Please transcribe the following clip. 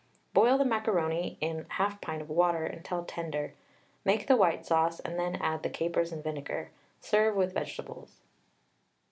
Boil the macaroni in 1/2 pint of water until tender. Make the white sauce, then add the capers and vinegar. Serve with vegetables.